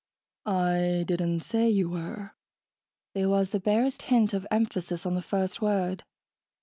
"I didn't say you were." There was the barest hint of emphasis on the first word.